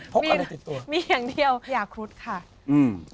มูไม่อีกอย่างเดียวอย่าคลุกค่ะอะไรที่เห็นตัว